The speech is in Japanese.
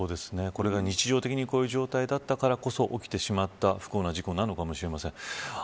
これが日常的に、こういう状態だったからこそ起きてしまった不幸な事故なのかもしれません。